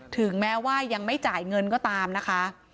ถึงแม้ว่ายังไม่จ่ายเงินก็ตามนะคะ